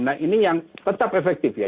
nah ini yang tetap efektif ya